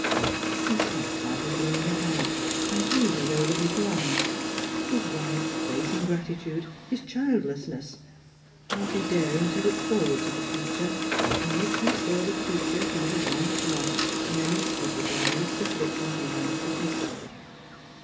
He sat by his lonely hearth, and brooded over his wrongs — his wife's base ingratitude, his childlessness — hardly daring to look forward to the future, in which he saw the creature he had once loved menaced with the direst affliction humanity can suffer.